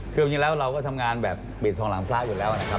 คือจริงแล้วเราก็ทำงานแบบปิดทองหลังพระอยู่แล้วนะครับ